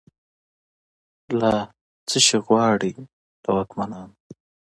لا« څشي غواړی» له واکمنانو